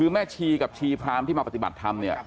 แม่ชีกับชีพรามนัยที่มาปฏิบัติธรรม